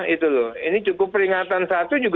ini cukup peringatan satu